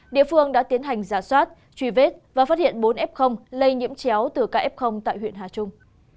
địa phương đã tiến hành giả soát truy vết và phát hiện bốn f lây nhiễm chéo từ kf tại huyện hà trung